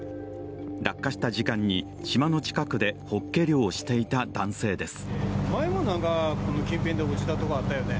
落下した時間に島の近くでホッケ漁をしていた男性です。